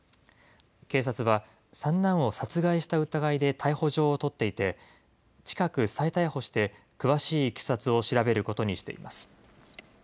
警察は、三男を殺害した疑いで逮捕状を取っていて、近く、再逮捕して、詳しいいきさつを調べることにしています。